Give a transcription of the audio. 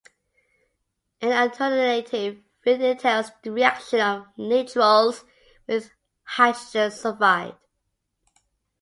An alternative route entails the reaction of nitriles with hydrogen sulfide.